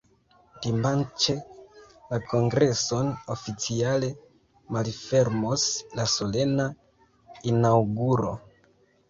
Dimanĉe la kongreson oficiale malfermos la solena inaŭguro.